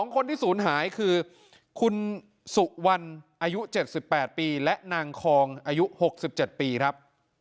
คนที่ศูนย์หายคือคุณสุวรรณอายุ๗๘ปีและนางคองอายุ๖๗ปีครับ